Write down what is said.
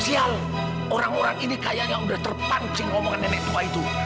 sosial orang orang ini kayaknya udah terpancing ngomongkan nenek tua itu